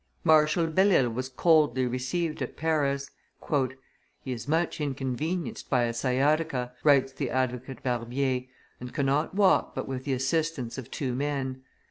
Marshal Belle Isle was coldly received at Paris. "He is much inconvenienced by a sciatica," writes the advocate Barbier, "and cannot walk but with the assistance of two men.